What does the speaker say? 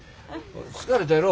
疲れたやろ。